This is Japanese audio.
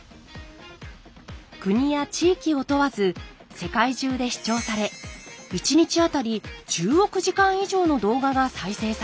国や地域を問わず世界中で視聴され１日あたり１０億時間以上の動画が再生されています。